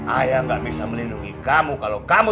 ayah gak bisa melindungi kamu kalau kamu